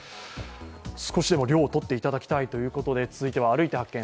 少しでも涼をとっていただきたいということで、「歩いて発見！